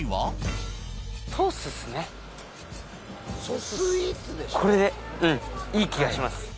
その頃これでいい気がします。